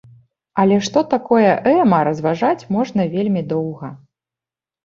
Але што такое эма разважаць можна вельмі доўга.